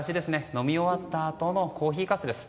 飲み終わったあとのコーヒーかすです。